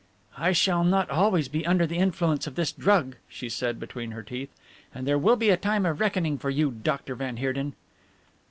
"I shall not always be under the influence of this drug," she said between her teeth, "and there will be a time of reckoning for you, Dr. van Heerden."